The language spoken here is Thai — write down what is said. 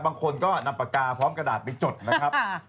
บางคนก็นำปากกาพร้อมกระดาษไปจดนะครับ